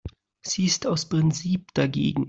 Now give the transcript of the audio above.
Sie ist aus Prinzip dagegen.